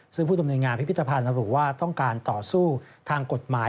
ซึ่งผู้ดำเนินงานพิพิธภัณฑ์ระบุว่าต้องการต่อสู้ทางกฎหมาย